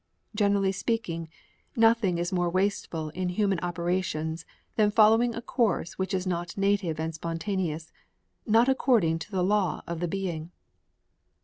Generally speaking, nothing is more wasteful in human operations than following a course which is not native and spontaneous, not according to the law of the being.